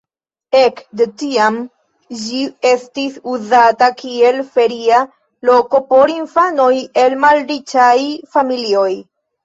Ek de tiam ĝi estis uzata kiel feria loko por infanoj el malriĉaj familioj.